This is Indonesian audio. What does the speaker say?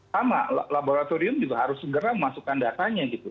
sama laboratorium juga harus segera memasukkan datanya gitu